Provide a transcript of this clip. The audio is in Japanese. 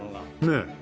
ねえ。